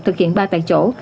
thực hiện ba tại chỗ